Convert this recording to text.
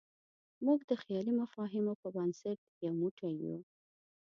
موږ د خیالي مفاهیمو په بنسټ یو موټی یو.